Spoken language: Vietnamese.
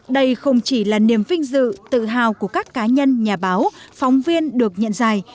đây không chỉ là niềm vinh dự tự hào của các cá nhân nhà báo phóng viên được nhận giải